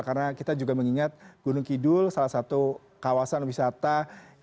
karena kita juga mengingat gunung kidul salah satu kawasan wisatawan